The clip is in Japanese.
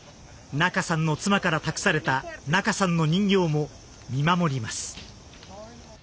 仲さんの妻から託された仲さんの人形も見守ります。